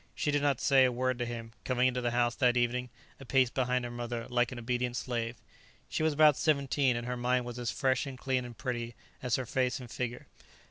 She did not say a word to him, coming into the house that evening, a pace behind her mother, like an obedient slave. She was about seventeen, and her mind was as fresh and clean and pretty as her face and figure.